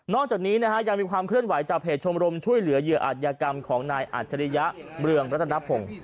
จากนี้ยังมีความเคลื่อนไหวจากเพจชมรมช่วยเหลือเหยื่ออาจยากรรมของนายอัจฉริยะเมืองรัฐนพงศ์